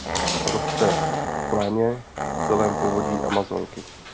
Roste planě v celém povodí Amazonky.